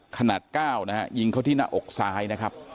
ขนาด๙นะฮะยิงเขาที่หน้าอกซ้ายนะครับ